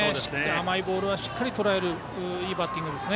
甘いボールはしっかりとらえるいいバッティングです。